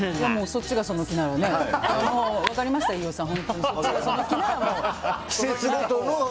そっちがその気にならね分かりましたよ、飯尾さん。